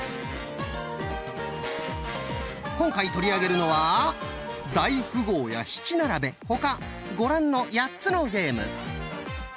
今回取り上げるのは大富豪や七並べ他ご覧の８つのゲーム。